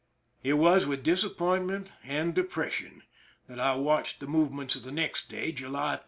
It was with disappointment and depression that I watched the movements of the next day, July 3.